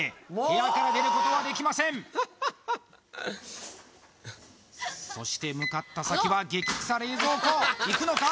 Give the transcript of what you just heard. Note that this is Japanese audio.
部屋から出ることはできませんそして向かった先はゲキ臭冷蔵庫いくのか？